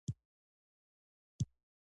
په وچو خوشايو کې يوه زړه جارو پرته وه.